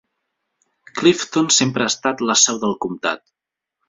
Clifton sempre ha estat la seu del comtat.